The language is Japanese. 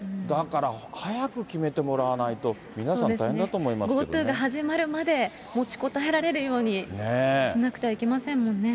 だから早く決めてもらわないと、皆さん、ＧｏＴｏが始まるまで持ちこたえられるようにしなくてはいけませんもんね。